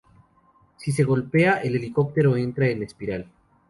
Si se golpea, el helicóptero entra en espiral.